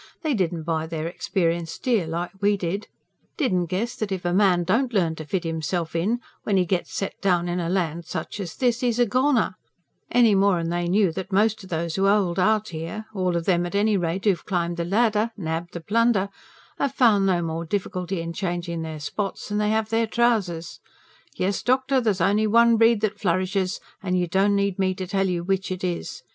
They didn't buy their experience dear, like we did; didn't guess that if a man DON'T learn to fit himself in, when he gets set down in such a land as this, he's a goner; any more'n they knew that most o' those who hold out here all of 'em at any rate who've climbed the ladder, nabbed the plunder have found no more difficulty in changin' their spots than they have their trousers. Yes, doctor, there's only one breed that flourishes, and you don't need me to tell you which it is.